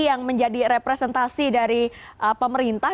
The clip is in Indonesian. yang menjadi representasi dari pemerintah